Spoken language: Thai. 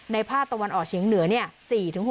ในภาตะวันออกเฉียงเหนือ